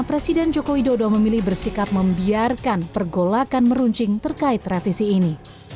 presiden joko widodo memilih bersikap membiarkan pergolakan meruncing terkait revisi ini